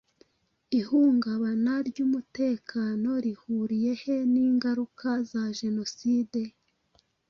Ihungabana ry’umutekano rihuriye he n’ingaruka za jenoside?